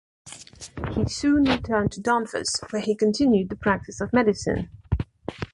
He soon returned to Danvers, where he continued the practice of medicine.